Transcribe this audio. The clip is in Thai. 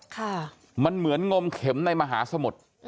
ค่ะมันเหมือนงมเข็มในมหาสมุทร